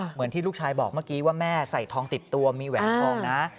เหมือนที่ลูกชายบอกเมื่อกี้ว่าแม่ใส่ทองติดตัวมีแหวนทองนะ